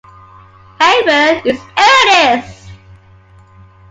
Hey Vern, It's Ernest!